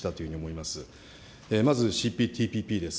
まずＣＰＴＰＰです。